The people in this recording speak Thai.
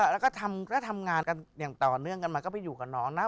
แล้วก็ทำงานกันอย่างต่อเนื่องกันมาก็ไปอยู่กับน้องนะ